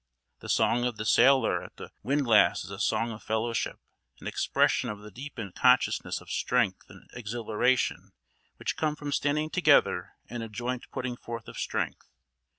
The song of the sailor at the windlass is a song of fellowship; an expression of the deepened consciousness of strength and exhilaration which come from standing together in a joint putting forth of strength.